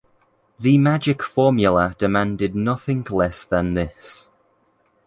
The magic formula demanded nothing less than this.